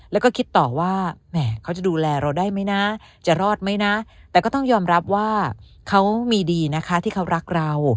แล้วก็คิดต่อว่าแหมเขาจะดูแลเราได้ไหมนะจะรอดไหมนะแต่ก็ต้องยอมรับว่าเขามีดีนะคะที่เขารักเรา